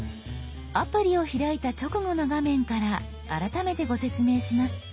アプリを開いた直後の画面から改めてご説明します。